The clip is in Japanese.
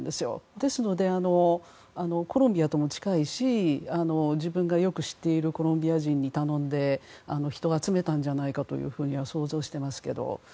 ですので、コロンビアとも近いし自分がよく知っているコロンビア人に頼んで人を集めたんじゃないかと想像はしていますけど。